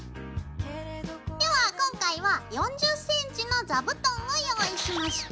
では今回は４０ｃｍの座布団を用意しました。